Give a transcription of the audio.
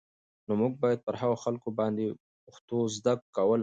نو موږ بايد پر هغو خلکو باندې پښتو زده کول